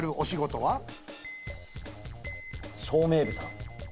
照明部さん。